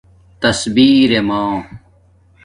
تصبیررمہ